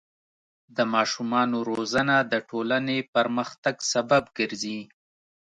د ماشومانو روزنه د ټولنې پرمختګ سبب ګرځي.